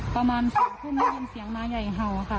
ประมาณ๒ทุ่มได้ยินเสียงน้าใหญ่เห่าค่ะ